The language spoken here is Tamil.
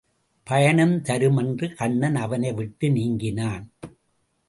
பயனும் தரும் என்று கண்ணன் அவனை விட்டு நீங்கினான்.